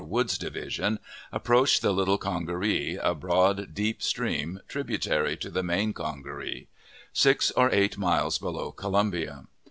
Woods's division, approached the Little Congaree, a broad, deep stream, tributary to the Main Congaree; six or eight miles below Columbia.